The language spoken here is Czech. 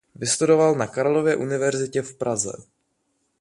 Vystudoval na Karlově univerzitě v Praze.